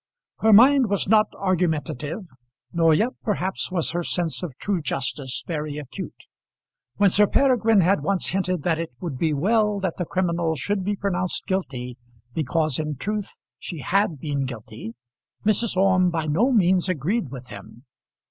Her mind was not argumentative, nor yet perhaps was her sense of true justice very acute. When Sir Peregrine had once hinted that it would be well that the criminal should be pronounced guilty, because in truth she had been guilty, Mrs. Orme by no means agreed with him.